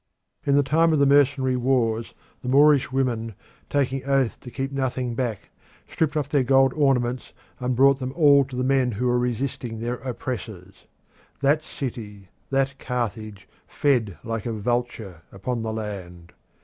In the time of the mercenary war the Moorish women, taking oath to keep nothing back, stripped off their gold ornaments and brought them all to the men who were resisting their oppressors. That city, that Carthage, fed like a vulture upon the land.